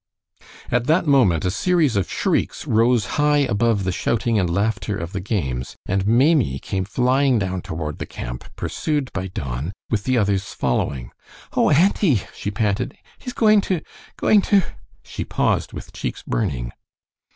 At that moment a series of shrieks rose high above the shouting and laughter of the games, and Maimie came flying down toward the camp, pursued by Don, with the others following. "Oh, auntie!" she panted, "he's going to going to " she paused, with cheeks burning.